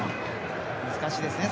難しいですね